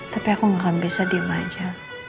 tapi aku gak akan bisa diam aja